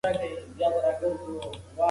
زه به سبا د کلتوري نندارتون لیدو ته لاړ شم.